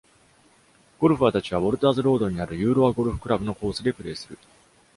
ゴルファー達は、ウォルターズ・ロードにあるユーロア・ゴルフ・クラブのコースでプレーする。